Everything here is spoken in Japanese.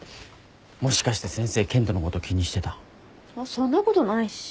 そんなことないし。